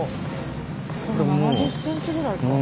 ７０ｃｍぐらいかな。